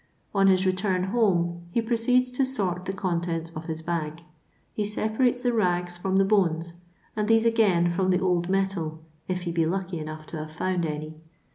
On his return home he proceeds to sort the con tents of his bag. He separates the rags from the bones, and these again from the old metal (if he be ludcy enough to have found any).